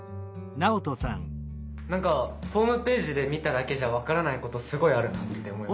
何かホームページで見ただけじゃ分からないことすごいあるなって思いました。